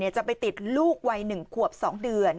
จะไปติดลูกวัย๑ขวบ๒เดือน